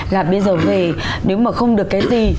là bây giờ về nếu mà không được cái gì